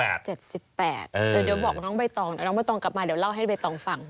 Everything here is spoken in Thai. เดี๋ยวบอกน้องใบตองเดี๋ยวน้องใบตองกลับมาเดี๋ยวเล่าให้ใบตองฟัง